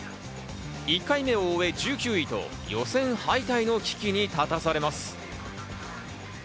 １回目を終え、１９位と予選敗退の危機に立たされます。